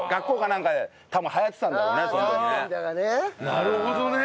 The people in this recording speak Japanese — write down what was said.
なるほどね。